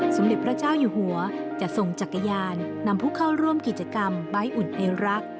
สมเด็จพระเจ้าอยู่หัวจะทรงจักรยานนำผู้เข้าร่วมกิจกรรมใบ้อุ่นไอรัก